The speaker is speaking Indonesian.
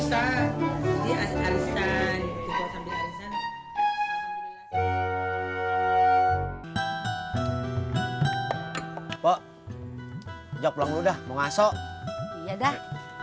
hai mbak jawab udah mau ngasok ya dah